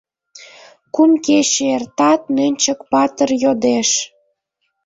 Кум кече эртат, Нӧнчык-патыр йодеш:.